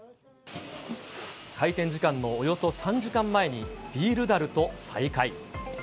開店時間のおよそ３時間前に、ビールだると再会。